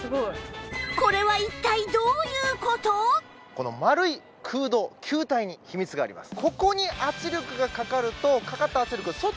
この丸い空洞球体に秘密があります。